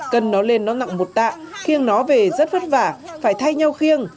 cân nó lên nó nặng một tạ khiêng nó về rất vất vả phải thay nhau khiêng